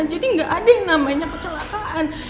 jadi gak ada yang namanya kecelakaan